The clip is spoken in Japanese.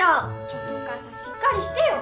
ちょっとお母さんしっかりしてよ！